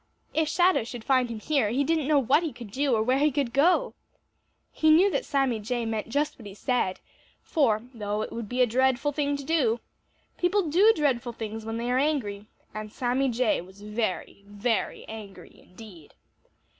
If Shadow should find him here, he didn't know what he could do or where he could go. He knew that Sammy Jay meant just what he said, for though it would be a dreadful thing to do, people do dreadful things when they are angry, and Sammy Jay was very, very angry indeed.